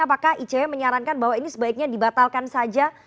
apakah icw menyarankan bahwa ini sebaiknya dibatalkan saja